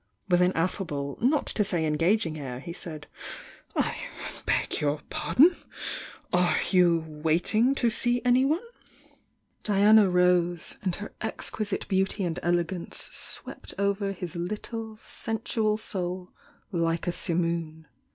With an affable, not to say engaging air, he said: "I beg your pardon ! Are you waiting to see any one?" Diana rose, and her exquisite beauty and elegance swept over his little sensual soul like a simoon.